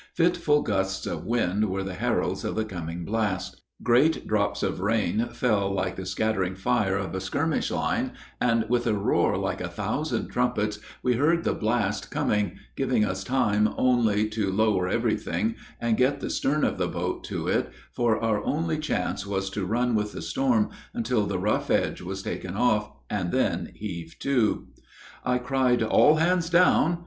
Fitful gusts of wind were the heralds of the coming blast. Great drops of rain fell like the scattering fire of a skirmish line, and with a roar like a thousand trumpets we heard the blast coming, giving us time only to lower everything and get the stern of the boat to it, for our only chance was to run with the storm until the rough edge was taken off, and then heave to. I cried, "All hands down!"